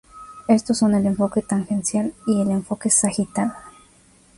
Estos son el enfoque tangencial y el enfoque sagital.